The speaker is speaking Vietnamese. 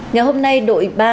nhà hôm nay đội ba